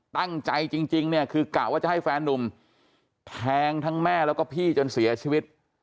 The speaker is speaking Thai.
ตั้งใจจริงเนี่ยคือกะว่าจะให้แฟนนุ่มแทงทั้งแม่แล้วก็พี่จนเสียชีวิต